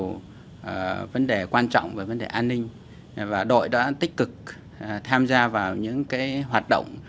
nhiều vấn đề quan trọng về vấn đề an ninh và đội đã tích cực tham gia vào những hoạt động